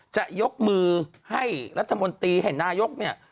จะยกมือให้รัฐมนตรีให้นายกเนี่ย